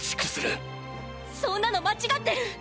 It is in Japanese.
そんなの間違ってる！！